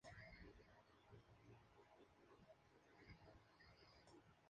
Constituye una de las mejores muestras de la rejería renacentista de Vizcaya.